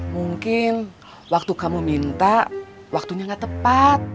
mungkin waktu kamu minta waktunya gak tepat